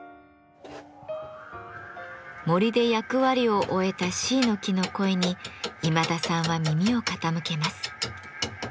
森で役割を終えたシイの木の声に今田さんは耳を傾けます。